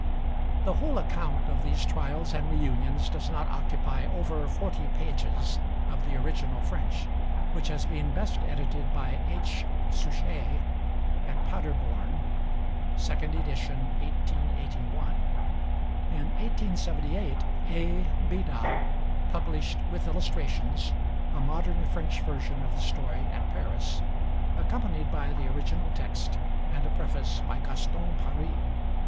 The whole account of these trials and reunions does not occupy over forty pages of the original French, which has been best edited by H. Suchier at Paderborn (second edition, 1881). In 1878, A. Bida published, with illustrations, a modern French version of the story at Paris, accompanied by the original text and a preface by Gaston Paris.